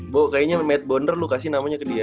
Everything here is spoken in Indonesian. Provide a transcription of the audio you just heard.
bo kayaknya matt bonner lu kasih namanya ke dia aja